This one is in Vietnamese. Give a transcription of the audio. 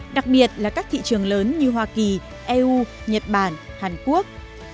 đặc biệt là các thị trường lớn như hoa kỳ eu nhật bản hàn quốc